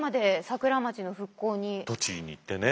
栃木に行ってね。